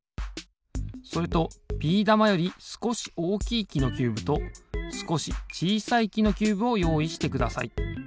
それとビー玉よりすこしおおきいきのキューブとすこしちいさいきのキューブをよういしてください。